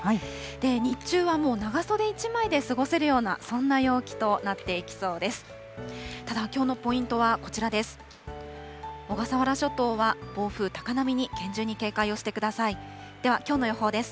日中はもう長袖１枚で過ごせるような、そんな陽気となっていきそうです。